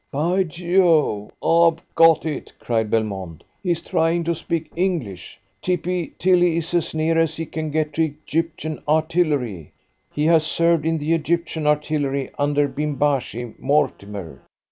"By Jove, I've got it!" cried Belmont. "He's trying to speak English. Tippy Tilly is as near as he can get to Egyptian Artillery. He has served in the Egyptian Artillery under Bimbashi Mortimer.